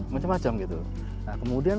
macam macam gitu nah kemudian